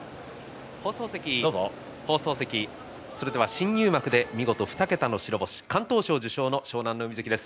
新入幕で見事２桁の白星敢闘賞受賞の湘南乃海関です。